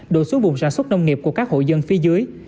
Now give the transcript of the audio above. đổ xuống vùng sản xuất nông nghiệp của các hộ dân phía dưới